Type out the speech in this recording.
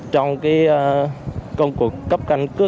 trong công tác